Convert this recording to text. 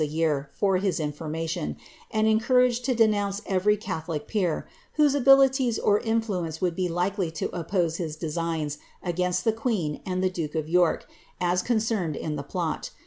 a year for hi * information, and encouruged to denounce firry rarholic peer, whose abiliiii's or induence would be likely toop* p 1*1 ].[< (!rsit:ns against the queen and the duke of York, as concemeti : i :!;e pU*\.